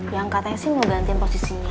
yang katanya sih mau gantiin posisinya